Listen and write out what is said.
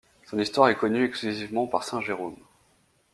Son histoire est connue exclusivement par saint Jérôme.